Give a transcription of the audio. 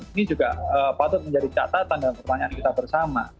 ini juga patut menjadi catatan dan pertanyaan kita bersama